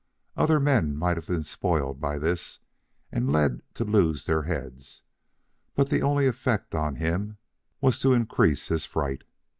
Other men might have been spoiled by this and led to lose their heads; but the only effect on him was to increase his fright.